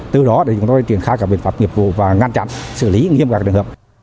từ đó chúng tôi tuyển khai các biện pháp nghiệp vụ và ngăn chặn xử lý nghiêm các đường hợp